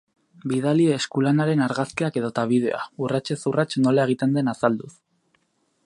Bidali eskulanaren argazkiak edota bideoa, urratsez urrats nola egiten den azalduz.